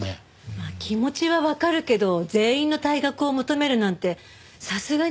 まあ気持ちはわかるけど全員の退学を求めるなんてさすがにいきすぎよね。